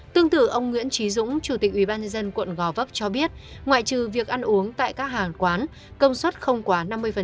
tương tự ông nguyễn trí dũng chủ tịch ubnd quận gò vấp cho biết ngoại trừ việc ăn uống tại các hàng quán công suất không quá năm mươi